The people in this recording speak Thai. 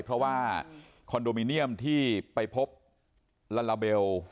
เพราะว่าคอนโดมิเนียมที่ไปพบลาลาเบล